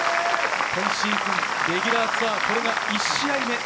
今シーズン、レギュラーツアー、これが１試合目。